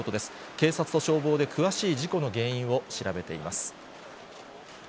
警察と消防で詳しい事故の原因を調べています。